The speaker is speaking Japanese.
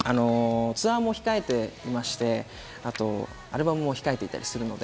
ツアーも控えていまして、アルバムも控えていたりするので、